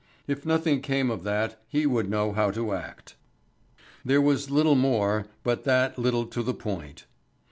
If nothing came of that he would know how to act. There was little more, but that little to the point.